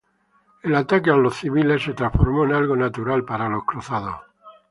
El ataque a los judíos se transformó en algo natural para los cruzados.